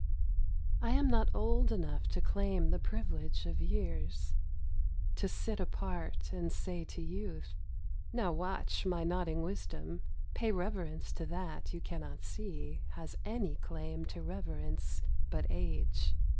I AM not old enough to claim the privilege of years, To sit apart and say t<> vouth — Now watch my nodding wisdom; I '.iy reverence to that you cannot see Has any claim to reverence but age.'